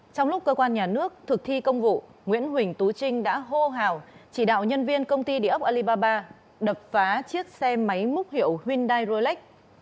trong lúc cơ quan nhà nước thực thi công vụ nguyễn huỳnh tú trinh đã hô hào chỉ đạo nhân viên công ty địa ốc alibaba đập phá chiếc xe máy múc hiệu hyundai rolex